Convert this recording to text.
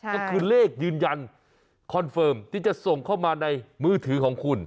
ก็คือเลขยืนยันคอนเฟิร์มที่จะส่งเข้ามาในมือถือของคุณ